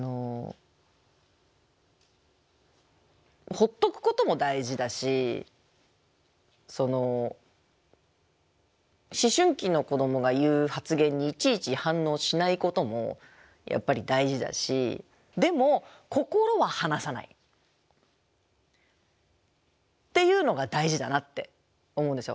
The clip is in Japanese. ほっとくことも大事だし思春期の子どもが言う発言にいちいち反応しないこともやっぱり大事だしでも心は離さないっていうのが大事だなって思うんですよ。